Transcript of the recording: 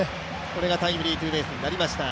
これがタイムリーツーベースになりました。